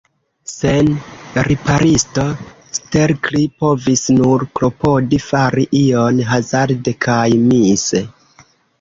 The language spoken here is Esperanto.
Sen riparisto, Stelkri povis nur klopodi fari ion, hazarde kaj mise.